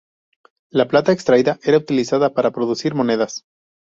La plata extraída era utilizada para producir monedas.